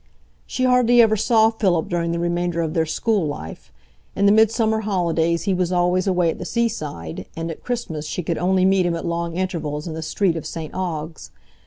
She hardly ever saw Philip during the remainder of their school life; in the Midsummer holidays he was always away at the seaside, and at Christmas she could only meet him at long intervals in the street of St Ogg's.